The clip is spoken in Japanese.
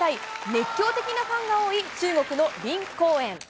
熱狂的なファンが多い、中国の林高遠。